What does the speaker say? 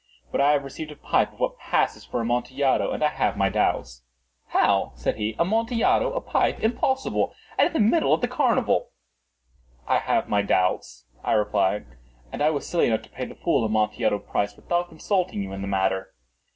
But I have received a pipe of what passes for Amontillado, and I have my doubts." "How?" said he. "Amontillado? A pipe? Impossible! And in the middle of the carnival!" "I have my doubts," I replied; "and I was silly enough to pay the full Amontillado price without consulting you in the matter.